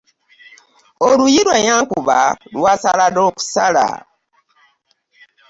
Oluyi lwe yankuba lwasala n'okusala.